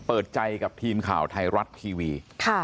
เปิดใจกับทีมข่าวไทยรัฐทีวี